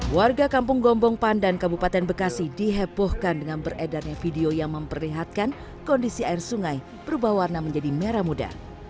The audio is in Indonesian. warga kampung gombong pandan kabupaten bekasi dihebohkan dengan beredarnya video yang memperlihatkan kondisi air sungai berubah warna menjadi merah muda